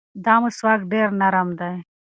دا مسواک ډېر نرم دی.